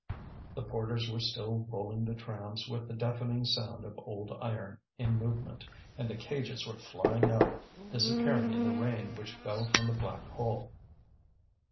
The porters were still rolling the trams with the deafening sound of old iron in movement, and the cages were flying up, disappearing in the rain which fell from the black hole.